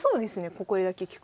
ここだけ聞くと。